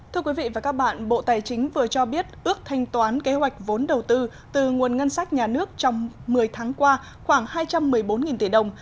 thưa quý vị và các bạn bộ tài chính vừa cho biết ước thanh toán kế hoạch vốn đầu tư từ nguồn ngân sách nhà nước trong một mươi tháng qua khoảng hai trăm một mươi bốn tỷ đồng